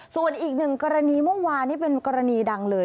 ส่วนอีกหนึ่งกรณีเมื่อวานนี้เป็นกรณีดังเลย